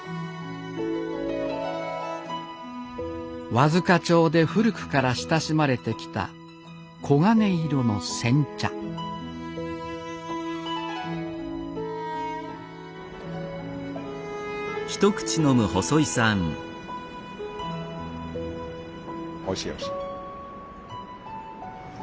和束町で古くから親しまれてきた黄金色の煎茶おいしいおいしい。